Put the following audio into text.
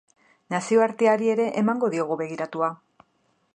Nazioarteari ere emango diogu begiratua.